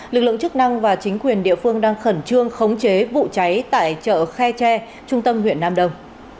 lực lượng chức năng và chính quyền địa phương đang khẩn trương khống chế vụ cháy tại chợ khe tre trung tâm huyện nam đông